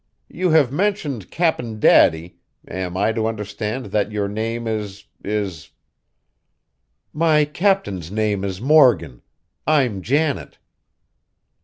"You have mentioned Cap'n Daddy, am I to understand that your name is is " "My Captain's name is Morgan: I'm Janet."